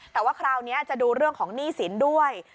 แต่ว่าคราวนี้จะดูเรื่องของหนี้สินด้วย